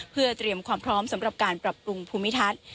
เพื่อเตรียมความพร้อมสำหรับการปรับปรุงภูมิทัศน์